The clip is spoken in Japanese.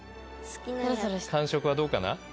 感触はどうかな？